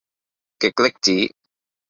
極力子